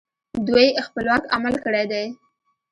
دوی خپلواک عمل کړی دی